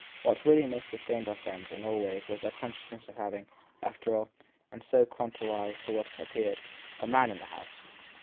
What really most sustained our friends in all ways was their consciousness of having, after all and so contrariwise to what appeared a man in the house.